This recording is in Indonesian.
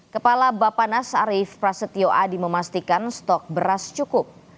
kepala bapak nas arief prasetyo adi memastikan stok beras cukup